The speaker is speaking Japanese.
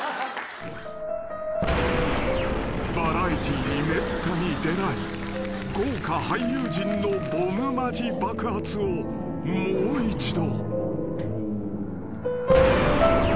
［バラエティーにめったに出ない豪華俳優陣のボムマジ爆発をもう一度］